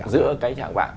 giữa cái trạng vạn